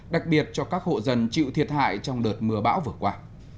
đặc biệt cho các hộ dân chịu thiệt hại trong đợt mưa bão vừa qua